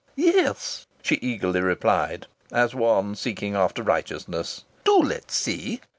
"Yes," she eagerly replied, as one seeking after righteousness. "Do let's see."